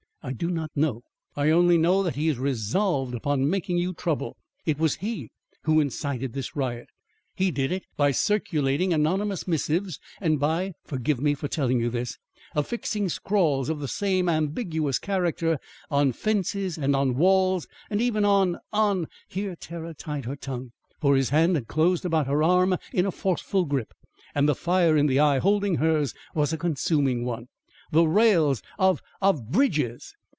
"I do not know. I only know that he is resolved upon making you trouble. It was he who incited this riot. He did it by circulating anonymous missives and by forgive me for telling you this affixing scrawls of the same ambiguous character on fences and on walls, and even on on " (Here terror tied her tongue, for his hand had closed about her arm in a forceful grip, and the fire in the eye holding hers was a consuming one) "the rails of of BRIDGES."